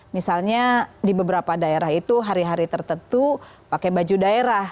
misalnya di beberapa daerah itu hari hari tertentu pakai baju daerah